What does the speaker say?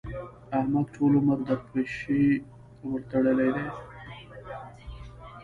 احمد ټول عمر د پيشي ورتړلې دي.